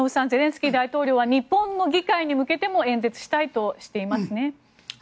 ゼレンスキー大統領は日本の議会に向けても演説したいとしていますね。